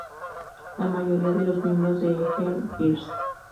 La mayoría de los miembros de Earth First!